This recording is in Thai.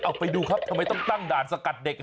เอาไปดูครับทำไมต้องตั้งด่านสกัดเด็ก